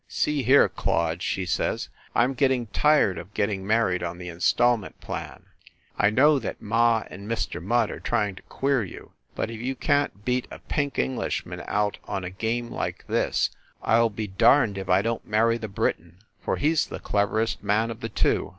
"See here, Claude," she says, "I m getting tired of get ting married on the instalment plan. I know that ma and Mr. Mudde are trying to queer you, but if you can t beat a pink Englishman out on a game like this, I ll be darned if I don t marry the Briton, for he s the cleverest man of the two.